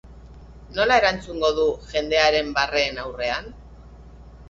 Nola erantzungo du jendearen barreen aurrean?